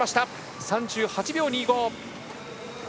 ３８秒２５。